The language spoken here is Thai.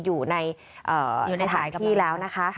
อยู่ในสถานที่แล้วนะคะ